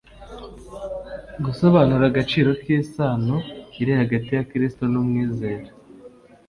gusobanura agaciro k'isano iri hagati ya Kristo n'umwizera.